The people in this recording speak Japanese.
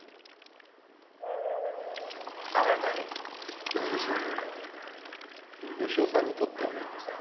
改めて。何でしょう？